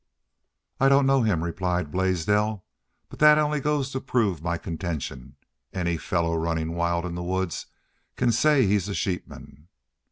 "I don't know him," replied Blaisdell. "But that only goes to prove my contention any fellow runnin' wild in the woods can say he's a sheepman."